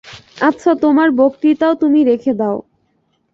আচ্ছা, তোমার বক্তৃতাও তুমি রেখে দাও।